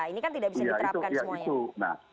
ini kan tidak bisa diterapkan semuanya